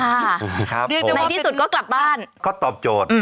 ในที่สุดก็กลับบ้าน